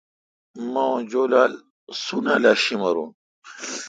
مہ اوں جولال سُونالا شیمروں۔